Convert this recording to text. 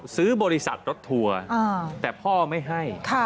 ซื้อบริษัทรถทัวร์แต่พ่อไม่ให้